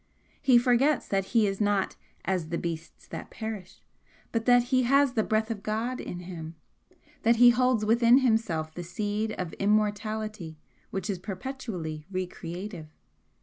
He forgets that he is not 'as the beasts that perish,' but that he has the breath of God in him, that he holds within himself the seed of immortality which is perpetually re creative.